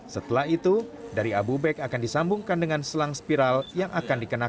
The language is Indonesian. setelah itu dari abu bag akan disambungkan dengan selang spiral yang akan dikenakan